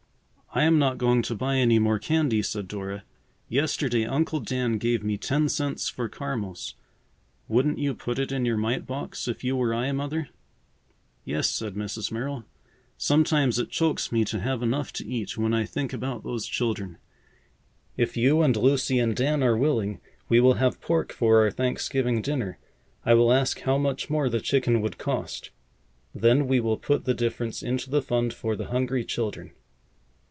"I am not going to buy any more candy," said Dora. "Yesterday Uncle Dan gave me ten cents for caramels. Wouldn't you put it in your mite box if you were I, Mother?" "Yes," said Mrs. Merrill. "Sometimes it chokes me to have enough to eat when I think about those children. If you and Lucy and Dan are willing, we will have pork for our Thanksgiving dinner. I will ask how much more the chicken would cost. Then we will put the difference into the fund for the hungry children."